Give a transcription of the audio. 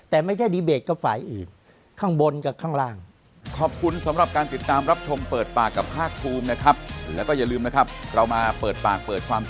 แต่ไม่ได้ดีเบจกับฝ่ายอีก